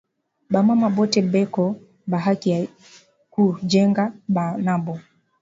Ba mama bote beko na haki ya ku jenga nabo